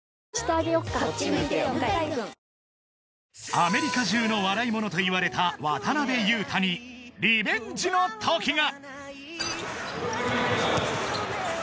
アメリカ中の笑いものといわれた渡雄太にリベンジの時が！